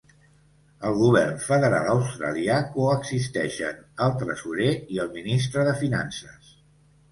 Al govern federal australià coexisteixen el tresorer i el ministre de finances.